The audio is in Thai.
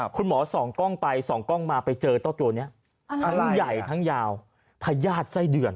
คุณหมอส่องกล้องไปส่องกล้องมาไปเจอเจ้าตัวนี้ทั้งใหญ่ทั้งยาวพญาติไส้เดือน